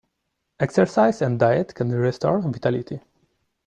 Exercise and diet can restore vitality.